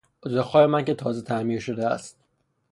اتاق خواب من که تازه تعمیر شده است